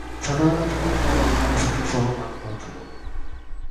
ছোটবেলা থেকেই তার অভিনয়ের প্রতি প্রবল আগ্রহ ছিল।